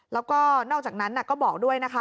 แล้วก็นอกจากนั้นก็บอกด้วยนะคะ